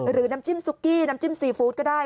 น้ำจิ้มซุกกี้น้ำจิ้มซีฟู้ดก็ได้